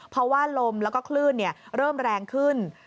เพราะว่าลมแล้วก็คลื่นเริ่มแรงขึ้น